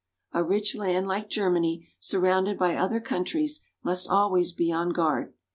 A rich land like Germany, surrounded by other countries, must always be on guard.